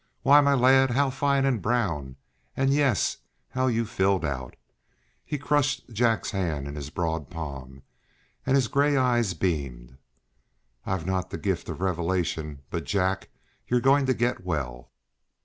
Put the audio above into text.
Why, my lad, how fine and brown and yes, how you've filled out!" He crushed Jack's hand in his broad palm, and his gray eyes beamed. "I've not the gift of revelation but, Jack, you're going to get well."